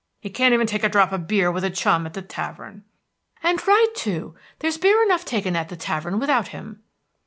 he can't even take a drop of beer with a chum at the tavern." "And right, too. There's beer enough taken at the tavern without him."